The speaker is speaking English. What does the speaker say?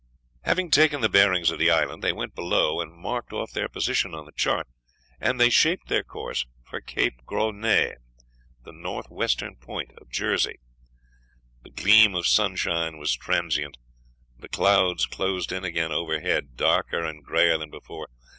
Having taken the bearings of the island they went below, and marked off their position on the chart, and they shaped their course for Cape Grosnez, the northwestern point of Jersey. The gleam of sunshine was transient the clouds closed in again overhead, darker and grayer than before.